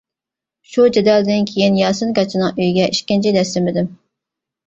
شۇ جېدەلدىن كېيىن ياسىن گاچىنىڭ ئۆيىگە ئىككىنچى دەسسىمىدىم.